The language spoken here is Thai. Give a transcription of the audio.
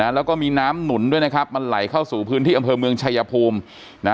แล้วก็มีน้ำหนุนด้วยนะครับมันไหลเข้าสู่พื้นที่อำเภอเมืองชายภูมิ